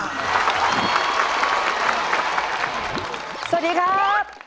สวัสดีครับ